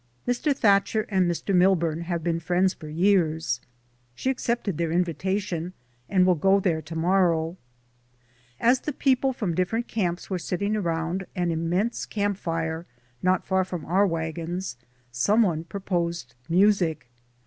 Mr. That cher and Mr. Milburn have been friends for years. She accepted their invitation and will go there to morrow. As the people from different camps were sitting around an immense camp fire, not far from our wagons, someone proposed music.